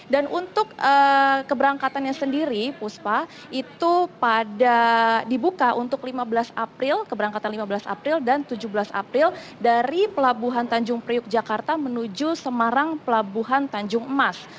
dan untuk keberangkatannya sendiri puspa itu dibuka untuk lima belas april keberangkatan lima belas april dan tujuh belas april dari pelabuhan tanjung priok jakarta menuju semarang pelabuhan tanjung emas